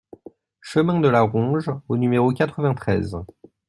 Chemin de la Ronge au numéro quatre-vingt-treize